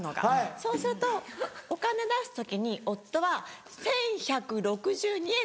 そうするとお金出す時に夫は１１６２円出すんですよ。